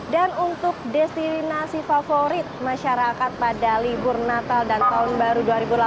dan untuk destinasi favorit masyarakat pada libur natal dan tahun baru dua ribu delapan belas